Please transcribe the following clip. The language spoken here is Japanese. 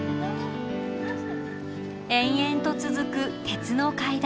延々と続く鉄の階段。